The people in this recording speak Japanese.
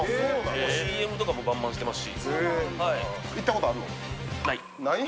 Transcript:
ＣＭとかもガンガンしてますし。